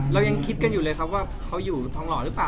เรายังคิดกันอยู่เลยครับว่าเขาอยู่ทองหล่อหรือเปล่า